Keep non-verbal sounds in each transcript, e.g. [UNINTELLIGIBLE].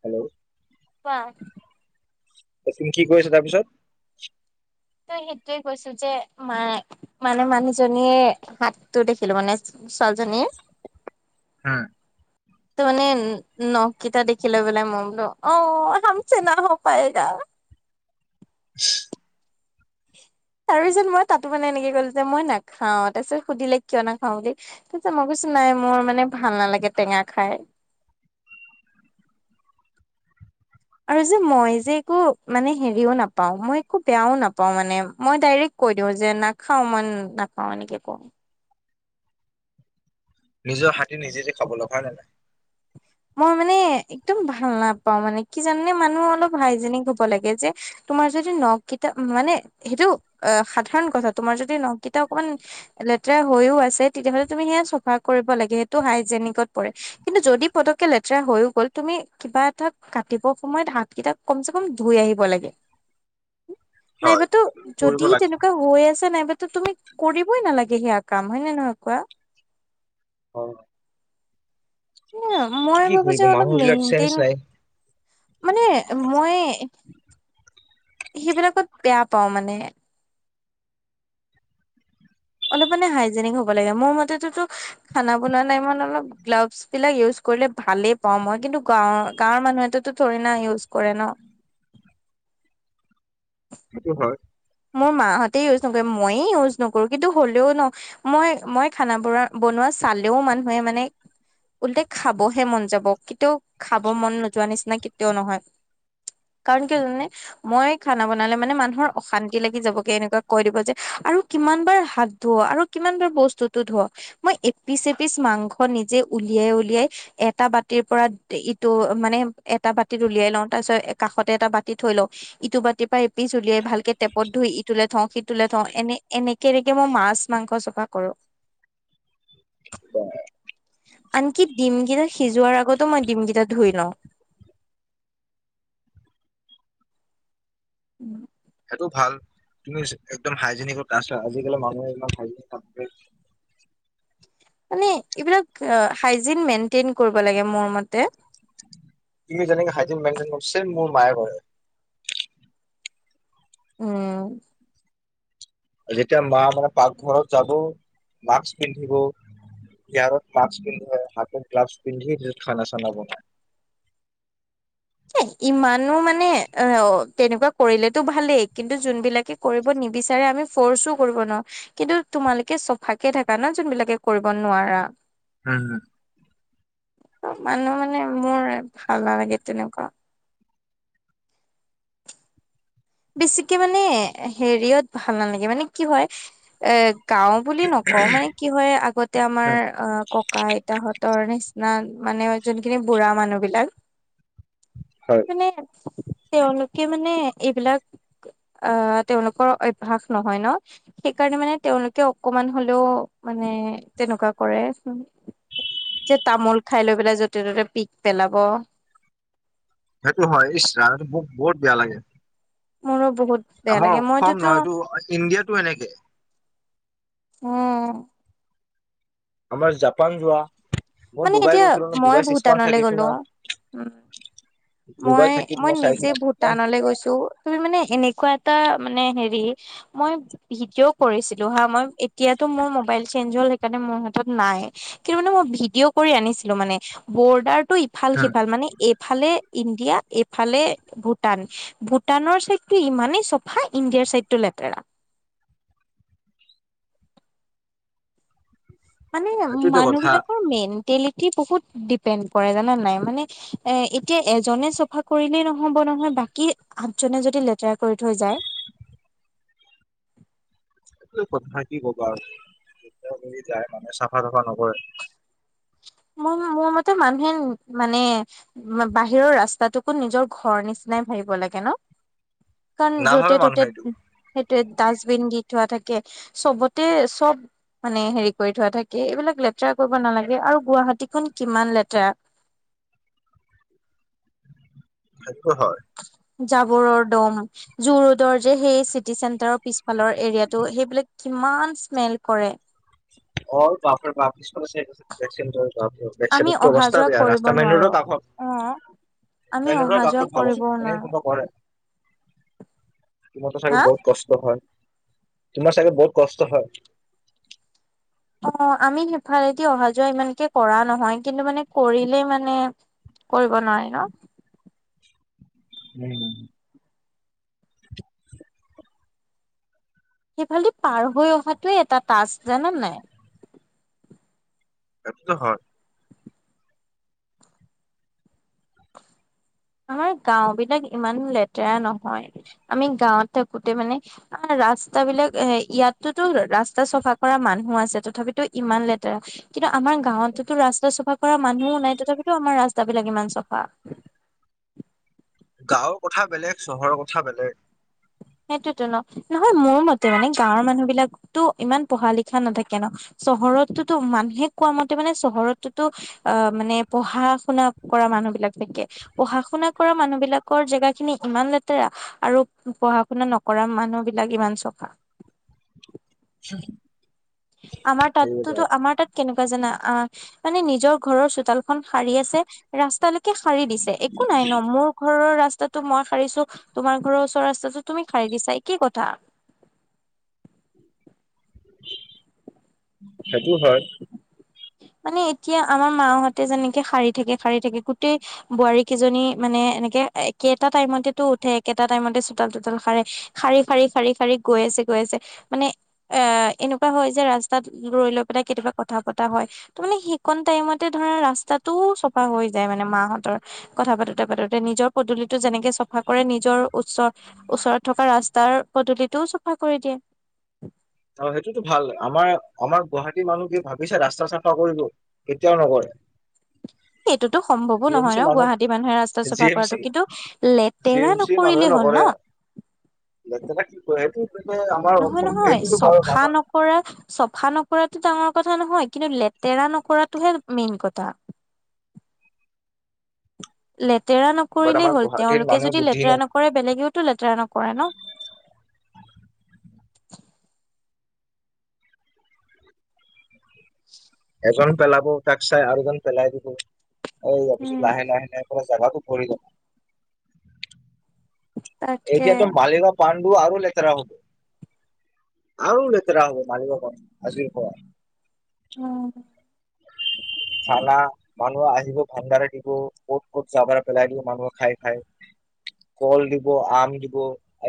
Hello! কোৱা। তুমি কি কৰি আছা তাৰপিছত? তই সেইটোয়ে কৈছো যে মায়ে মানে মানুহজনীয়ে হাতটো দেখিলো মানে ছোৱালীজনীৰ হুম। ত' মানে নখ কিটা দেখি লৈ পেলে মই বোলে অ' হামছে না হ পায়েগা। [UNINTELLIGIBLE] তাৰপিছত মই তাতো মানে এনেকে ক'লো যে মই নাখাওঁ। তাৰপিছত সুধিলে কিয় নাখাওঁ বুলি। তাৰপিছত মই কৈছো নাই মোৰ মানে ভাল নালাগে টেঙা খাই। আৰু যে মই যে একো মানে হেৰিও নাপাওঁ, মই একো বেয়াও নাপাওঁ মানে। মই ডাইৰেক্ট কৈ দিও যে নাখাও মই নাপাওঁ। এনেকে কওঁ। নিজৰ হাতে নিজে যি খাব লগা। হয়নে নাই? মই মানে একদম ভাল নাপাওঁ মানে। কি জানানে, মানুহ অলপ হাইজেনিক হ'ব লাগে যে তোমাৰ যদি নখ কিটা মানে সেইটো অ' সাধাৰণ কথা। তোমাৰ যদি নখকিটা অকমান লেতেৰা হৈও আছে তেতিয়াহলে তুমি সেয়া চফা কৰিব লাগে। সেইটো হাইজেনিকত পৰে। কিন্তু যদি পতক লেতেৰা হৈয়ও গ'ল, তুমি কিবা এটা কাটিব সময়ত হাত কেইটা কমচে কম ধুই আহিব লাগে। [INAUDIBLE] হয় নাইবাতো কৰিব যদি লাগে। তেনেকুৱা হৈ আছে নাইবাতো তুমি কৰিবই নালাগে সেয়া কাম, হয়নে নহয় কোৱা। হয়। কি মই কি ভাবো যে কৰিব অলপ মানুহ বিলাক চেঞ্জ মেইনটেইন নাই। মানে মই সেইবিলাকত বেয়া পাও মানে অলপ মানে হাইজেনিক হব লাগে মোৰ মতেটো খানা বনোৱা টাইমত মানে গ্ল'বছ বিলাক ইউজ কৰিলে ভালেই পাওঁ মই কিন্তু গাঁৱৰ গাঁৱৰ মানুহেতো থৰে না ইউজ কৰে ন সেইটো হয় মোৰ মাহঁতে ইউজ নকৰে মইয়ে ইউজ নকৰো কিন্তু হ'লেও ন মই মই খানা বনো বনোৱা চালেও মানুহে মানে ওলটাই খাবহে মন যাব কিন্তু খাব মন নোযোৱা নিচিনাকে কেতিয়াও নহয় কাৰণ কিয় জানানে মই খানা বনালে মানে মানুহৰ অশান্তি লাগি যাবগে এনেকুৱা কৈ দিব যে আৰু কিমান বাৰ হাত ধুৱ আৰু কিমান বাৰ বস্তুটো ধুৱ মই এপিচ এপিচ মাংস নিজে উলিয়াই উলিয়াই এটা বাতিৰ পৰা ইটো মানে এটা বাতিত উলিয়াই লওঁ তাৰ পিছত কাষতে এটা বাতি থৈ লওঁ ইটো বাতিৰ পৰা এপিচ উলিয়াই ভালকে টেপত ধুই ইটোলে থওঁ সিটোলে থওঁ এনে এনেকে এনেকে মই মাছ মাংস চফা কৰো [UNINTELLIGIBLE] আনকি ডিম কেইটা সিজোৱাৰ আগতো মই ডিমকেইটা ধুই লওঁ উম সেইটো ভাল তুমি একদম হাইজেনিকত আছা আজিকালি মানুহে ইমান হাইজেনিক নাথাকে মানে এইবিলাক আ হাইজেন মেনণ্টিন কৰিব লাগে মোৰ মতে তুমি যেনেকে হাইজেন মেইণ্টেইন কৰিছে মোৰ মায়ে কৰে উম যেতিয়া মা মানে পাকঘৰত যাব মাস্ক পিন্ধিব ইয়াৰত মাক্স পিন্ধি হাতৰ গ্লাভছ পিন্ধি খানা চানা বনায় এ ইমানো মানে অ তেনেকুৱা কৰিলেতো ভালেই কিন্তু যোনবিলাকে কৰিব নিবিচাৰে আমি ফৰ্চো কৰিব নোৱাৰো কিন্তু তোমালোকে চফাকে থাকা ন যোনবিলাকে কৰিব নোৱাৰা উম হুম মানুহ মানে মোৰ ভাল নালাগে তেনেকুৱা বেছিকে মানে হেৰিয়ত ভাল নালাগে মানে কি হয় এ গাওঁ বুলি নকওঁ মানে কি হয় আগতে আমাৰ অ ক ককা আইতাহঁতৰ নিচিনা মানে যোনখিনি বুঢ়া মানুহ বিলাক হয় মানে তেওঁলোকে মানে এইবিলাক অ তেওঁলোকৰ অভ্যাস নহয় ন সেইকাৰণে মানে তেওঁলোকে অকমান হলেও মানে তেনেকুৱা কৰে যে তামোল খাই লৈ পেলাই যতে ত'তে পিক পেলাব সেইটো হয় ইচ ৰাম মোক বহুত বেয়া লাগে মোৰো বহুত বেয়া আমাৰ লাগে অসম মইতোতো নহয় এইটো ইণ্ডিয়াটো এনেকে উম আমাৰ জাপান যোৱা মই মানে ডুবাই এতিয়া গৈছিলো ন মই ডুবাই ছিক্স মান্থ ভূটানলে থাকিছো গ'লো ন উম ডুবাই মই থাকি মই চাইছো নিজে ন কিমান ভূটানলৈ ধুনীয়া গৈছো তুমি মানে এনেকুৱা এটা মানে হেৰি মই ভিডিঅ' কৰিছিলো হা মই এতিয়াতো মোৰ মোবাইল চেঞ্জ হ'ল সেইকাৰণে মোৰ হাতত নাই কিন্তু মানে মই ভিডিঅ' কৰি আনিছিলো মানে বৰ্ডাৰটো ইফাল সিফাল মানে এফালে ইণ্ডিয়া এফালে ভূটান। ভূটানৰ ছাইডটো ইমানেই চফা ইণ্ডিয়াৰ চাইডটো লেতেৰা। মানে সেইটোতো কথা মানুহবিলাকৰ মেণ্টেলিটি বহুত ডিপেণ্ড কৰে জানা নাই মানে এ এতিয়া এজনে চফা কৰিলেই নহ'ব নহয় বাকী আঠজনে যদি কৰি থৈ যায়। এই কথা কি ক'বা আৰু [UNINTELLIGIBLE] যদি যায় মানে চাফা-তফা নকৰে মোৰ মতে মানুহে মানে বাহিৰৰ ৰাস্তাতোকো নিজৰ ঘৰ নিচিনাই ভাবিব লাগে ন। কাৰণ নাভাবে য'তে ত'তে মানুহে এইটো সেইটোৱে ডাষ্টবিন দি থোৱা থাকে। চবতে চব মানে হেৰি কৰি থোৱা থাকে। এইবিলাক লেতেৰা কৰিব নালাগে আৰু গুৱাহাটীখন কিমান লেতেৰা। সেটো হয়। জাবৰৰ দম জু- ৰোডৰ যে সেই চিটি চেন্টাৰৰ পিছ ফালৰ এৰিয়াটো সেইবিলাক কিমান স্মেল কৰে। অ' বাপৰে বাপ [UNINTELLIGIBLE] বেক আমি চাইডৰটো অহা অৱস্থা যোৱা বেয়া কৰিব ৰাস্তা মেইন ৰোড নোৱাৰো কাষত অ আমি মেইন ৰোডৰ অহা যোৱা কাষত ভাবক চো কৰিবও এনে নোৱাৰো কোনবা কৰে। তোমাৰতো চাগে হা বহুত কষ্ট হয় তোমাৰ চাগে বহুত কষ্ট হয়। অ' আমি সিফলেদি অহা- যোৱা যোৱা ইমানকে কৰা নহয় কিন্তু মানে কৰিলেই মানে কৰিব নোৱাৰি ন। উম সেইফালেদি পাৰ হৈ অহাতোৱে এটা টস্ক জানে নে নাই। এইটোতো হয় আমাৰ গাওঁ বিলাক ইমান লেতেৰা নহয়। আমি গাঁৱত থাকোতে মানে, আ ৰাস্তা বিলাক এ ইয়াতোতো ৰাস্তা চফা কৰা মানুহো আছে তথাপিতো ইমান লেতেৰা কিন্তু আমাৰ গাঁৱতোতো ৰাস্তা চাফা কৰা মানুহও নাই তথাপিতো আমাৰ ৰাস্তাবিলাক ইমান চাফা। গাঁৱৰ কথা বেলেগ চহৰৰ কথা বেলেগ। সেইটোতো ন। নহয় মোৰ মতে মানে গাঁৱৰ মানুহ বিলাকতো ইমান পঢ়া লিখা নাথাকে ন চহৰততোতো মানুহে কোৱা মতে মানে চহৰতটোতো অ মানে পঢ়া-শুনা কৰা মানুহ বিলাক থাকে পঢ়া--শুনা কৰা মানুহ বিলাকৰ জেগা খিনি ইমান লেতেৰা আৰু শুনা নকৰা মানুহ বিলাক ইমান চফা। [INAUDIBLE] আমাৰ তাততোতো সেইবিলাক আমাৰ তাত কেনেকুৱা জানা অ মানে নিজৰ ঘৰৰ চোতালখন সাৰি আছে ৰাস্তালৈকে সাৰি দিছে একো নাই ন মোৰ ঘৰৰ ৰাস্তাত ত মই সাৰিছো তোমাৰ ঘৰৰ ওচৰ ৰাস্তাটো তুমি সাৰি দিছা একেই কথা। সেইটো হয়। মানে এতিয়া আমাৰ মাহঁতে যেনেকে সাৰি থাকে সাৰি থাকে গোটেই বোৱাৰী কেইজনী মানে এনেকে একেটা টাইমতেতো উঠে একেটা টাইমতে চোতাল তোতাল সাৰে। সাৰি সাৰি সাৰি সাৰি গৈ আছে গৈ আছে মানে এ এনেকুৱা হয় যায় যে ৰাস্তাত ৰৈ লৈ পেলাই কেতিয়াবা কথা পতা হয়। ত মানে সেইকন টাইমতে ধৰা ৰাস্তাটোও চফা হৈ যায় মানে মাহঁতৰ। কথা পাতোতে পাতোতে নিজৰ পদূলিতো যেনেকে চফা কৰে নিজৰ উচ্চৰ ওচৰত থকা ৰাস্তাৰ পদূলিটোও চাফা কৰি দিয়ে। অ সেইটোতো ভাল আমাৰ আমাৰ গুৱাহাটী মানুহ কি ভাবিছে ৰাস্তা চাফা কৰিব। কেতিয়াও নকৰে। এইটোতো সম্ভৱো জি এম নহয় চি ন মানুহ গুৱাহাটী মানুহে ৰাস্তা জি চাফা এম চি কৰাটো, কিন্তু জি লেতেৰা এম চি মানুহে নকৰিলেই হ'ল নকৰে ন। লেতেৰা কি কয় এইটো মানে আমাৰ অসম এট পৰা চফা নকৰাটো ডাঙৰ কথা নহয় কিন্তু লেতেৰা নকৰাটোহে মেইন কথা। লেতেৰা বাট নকৰিলেই আমাৰ হ'ল গুৱাহাটীৰ তেওঁলোকে মানুহৰ যদি বুদ্ধি লেতেৰা নাই নকৰে বেলেগেওতো লেতেৰা নকৰে ন। [INAUDIBLE] এজন পেলাব তাক চাই আৰু এজন পেলাই দিব, এ তাৰ উম, পিছত লাহে লাহে লাহ [UNINTELLIGIBLE] জোগাতো ফৰি গ'ল তাকে এতিয়াতো মালিকক পাণ্ডু আৰু লেতেৰা হ'ব। আৰু লেতেৰা হ'ব মালিগাও পাণ্ডু আজিৰ পৰা। অ। খানা মানুহ আহিব ভাণ্ডাৰে দিব ক'ত ক'ত যাবৰ পেলাই দিব মানুহ খাই খাই। কল দিব, আম দিব।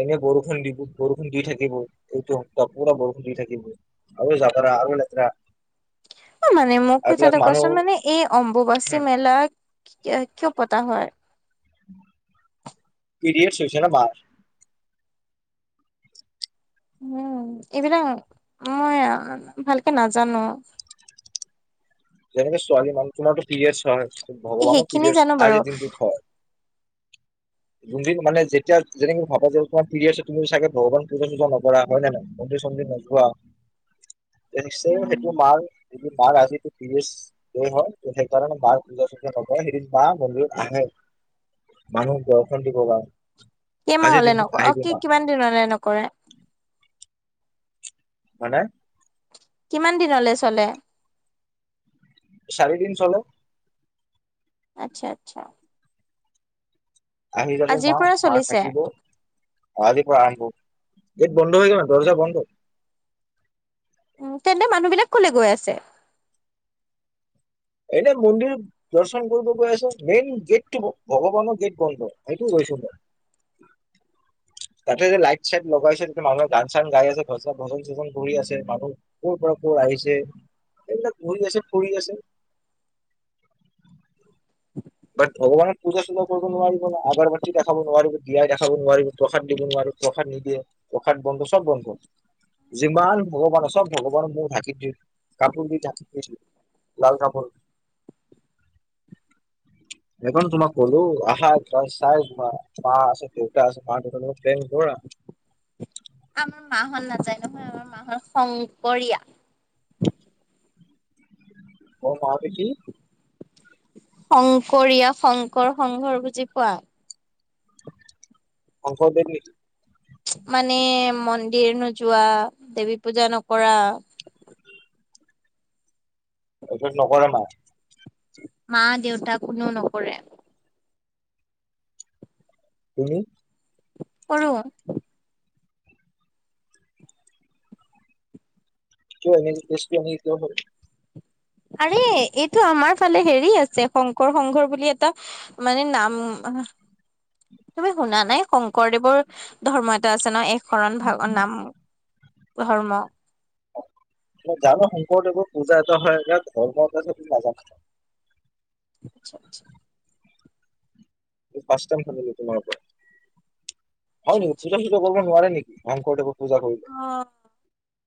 এনে বৰষুণ দিব বৰষুণ দি থাকিব এইটো সপ্তাহ পুৰা বৰষুণ দি থাকিব। আৰু জাবৰা আৰু লেতেৰা অ মানে মোক এইবিলাক কথাটো মানুহ কোৱাচোন মানে এই অম্বুবাচী মেলা কি কিয় পতা হয়? পিৰিয়ড হৈছে ন বাৰ? উম এইবিলাক মই ভালকে নাজানো। যেনেকে ছোৱালী মানুহ তোমাৰটো পিৰিয়েডছ হয়। ভগৱানৰ সেইখিনি পিৰিয়ড জানো বাৰু আজিৰ দিনটোত হয়। যোনদিন মানে যেতিয়া যেনেকে ভাবা যে তোমাৰ পিৰিয়ছে তুমি চাগে ভগৱান পূজা নকৰা হয় নে নহয়? মন্দিৰ চন্দিৰ নোযোৱা নিশ্চয় উম সেইটো মাৰ যেটো মাৰ আজিটো পিৰগয়েডছ দে হওঁক সেইকাৰণে মাৰ পূজা চোজা নকৰে সেইকাৰণে মা মন্দিৰত আহে। মানুহ দৰ্শন দিব কাৰ কেইমাহ হ'লে নকৰে অ কি কিমান দিন নকৰে? মানে? কিমান দিন হ'লে চলে? চাৰিদিন চলে। আত্চ্ছা আত্চ্ছা। আহি যাব আজিৰ মাও পৰা মাৰ চলিছে থাকিব আজিৰ পৰা আৰম্ভ, গেত বন্ধ হৈ যাব ন দৰ্জা বন্ধ। উ তেনে মানুহবিলাক ক'লে গৈ আছে? এনে মন্দিৰোত দৰ্শন কৰিব গৈ আছে, মেইন গেটটো ভগৱানৰ গেট বন্ধ সেইটো কৈছো মই। তাতে যে লাইট চাইট লগাইছে তেতিয়া মানুহে গান চান আছে ভজ ভজন চজন কৰি আছে, মানুহ ক'ৰ পৰা ক আহিছে, এইবিলাক ঘূৰি আছে ফুৰি আছে। বাট ভগৱানক পূজা চূজা কৰিব নোৱাৰিব ন আগাৰ বাতি দেখাব নোৱাৰিব দিয়াই দেখাব নোৱাৰিব প্ৰসাদ দিব নোৱাৰি প্ৰসাত নিদিয়ে, প্ৰসাত বন্ধ, সব বন্ধ। যিমান ভগৱানৰ চব ভগৱানক মোৰ ধাকি দি, কাপোৰ দি ধাকি দিছিল। লাল কাপোৰ। এখন তোমাক ক'লো আহা জাষ্ট চাই যোৱা। পা আছে, দেউতা আছে, মা দেউতা লগত ফ্ৰেংক কৰ আ আমাৰ মাহত নাযায় নহয় আমাৰ মাঁহত শংকৰীয়া। মোৰ মাহঁতে কি শংকৰীয়া শংকৰ সংঘৰ বুজি পোৱা? [UNINTELLIGIBLE] মানে মন্দিৰ নোযোৱা, দেৱী পূজা নকৰা। এইটোত নকৰে [UNINTELLIGIBLE] মা-দেউতা কোনেও নকৰে। তুমি? কৰো। [UNINTELLIGIBLE] আৰে, এইটো আমাৰ ফালে হেৰি আছে শংকৰ শকৰৰ বুলি এটা মানে নাম তুমি শুনা নাই, শংকৰদেৱৰ ধৰ্ম এটা আছে ন শৰণ ভাগৰ নাম ধৰ্ম। জানো শংকৰদেৱৰ পূজা এটা হয়, এতিয়া ধৰ্ম [UNINTELLIGIBLE] নাজানো। আচ্ছা, আচ্ছা। [UNINTELLIGIBLE] পূজা কৰিব আচ্ছা আচ্ছা। নোৱাৰে নেকি, শংকৰদেৱক পূজা কৰিলে? অ'।